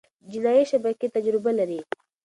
جنایي شبکې تجربه لري.